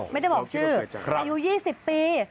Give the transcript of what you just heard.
ไม่ได้บอกชื่ออายุ๒๐ปี